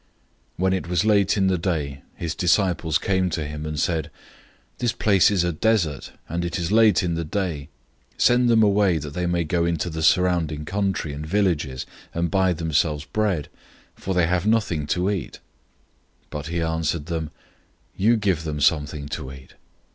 006:035 When it was late in the day, his disciples came to him, and said, "This place is deserted, and it is late in the day. 006:036 Send them away, that they may go into the surrounding country and villages, and buy themselves bread, for they have nothing to eat." 006:037 But he answered them, "You give them something to eat."